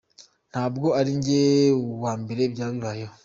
Ntabwo ari njye wa mbere byaba bibayeho,.